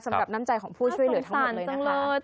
สำหรับน้ำใจของผู้ช่วยเหลือทั้งหมดเลยนะคะ